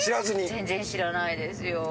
全然知らないですよ。